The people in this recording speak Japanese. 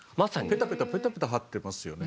ペタペタペタペタ貼ってますよね。